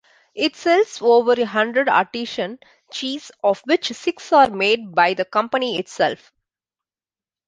It sells over a hundred artisan cheeses, of which six are made by the company itself.